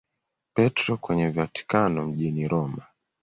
Petro kwenye Vatikano mjini Roma.